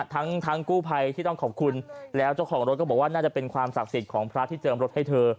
ทั้งกู้ภัยที่ต้องขอบคุณแล้วเจ้าของรถก็บอกว่าน่าจะเป็นความศักดิ์สิทธิ์ของพระที่เจิมรถให้เธอ